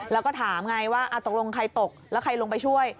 แล้วก็ถามไงว่าตกลงใครตกแล้วใครลงไปช่วย